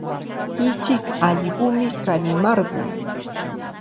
Ichik allqumi kanimarqun.